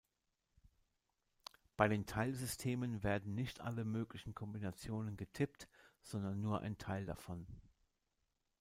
Bei den Teilsystemen werden nicht alle möglichen Kombinationen getippt, sondern nur ein Teil davon.